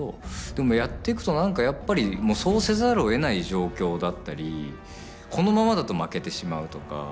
でもやっていくと何かやっぱりもうそうせざるをえない状況だったりこのままだと負けてしまうとか。